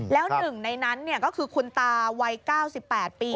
แล้วหนึ่งในนั้นก็คือคุณตาวัย๙๘ปี